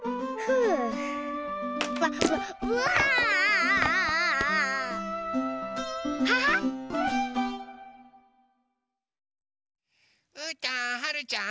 うーたんはるちゃん